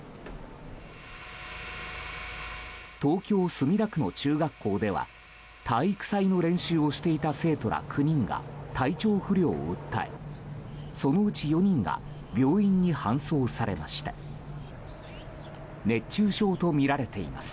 東京・墨田区の中学校では体育祭の練習をしていた生徒ら９人が体調不良を訴えそのうち４人が病院に搬送されました。